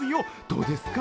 どうですか？